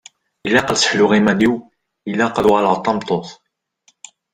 Ilaq ad sseḥluɣ iman-iw, ilaq ad uɣaleɣ d tameṭṭut.